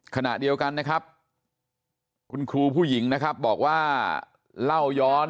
ขณะเดียวกันนะครับคุณครูผู้หญิงนะครับบอกว่าเล่าย้อน